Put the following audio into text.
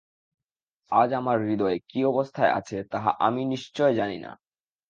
আজ আমার হৃদয় কী অবস্থায় আছে তাহা আমি নিশ্চয় জানি না।